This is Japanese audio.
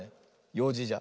ようじじゃ。